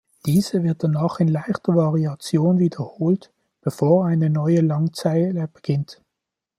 Diese wird danach in leichter Variation wiederholt, bevor eine neue Langzeile beginnt.